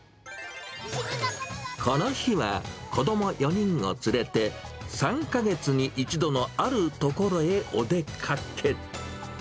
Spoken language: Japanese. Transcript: この日は、子ども４人を連れて３か月に１度のある所へお出かけ。